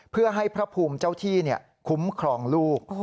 เพื่อให้พระภูมิเจ้าที่คุ้มครองลูก